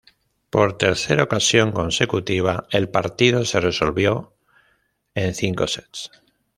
Por tercera ocasión consecutiva el partido se resolvió en cinco sets.